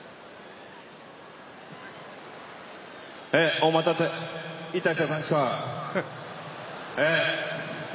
お待たせいたしました。